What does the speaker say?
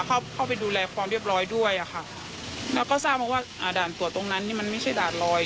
เข้าไปดูแลความเรียบร้อยด้วยอ่ะค่ะแล้วก็ทราบมาว่าอ่าด่านตรวจตรงนั้นนี่มันไม่ใช่ด่านลอย